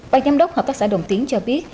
bà giám đốc hợp tác xã đồng tiến cho biết